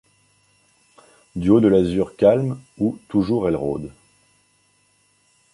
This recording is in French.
Du haut de l’azur calme où toujours elle rôde